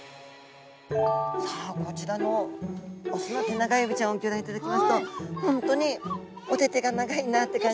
さあこちらの雄のテナガエビちゃんをギョ覧いただきますと本当にお手手が長いなって感じですよね。